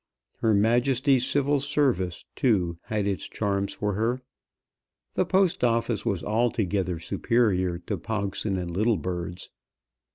Her Majesty's Civil Service, too, had its charms for her. The Post Office was altogether superior to Pogson and Littlebird's.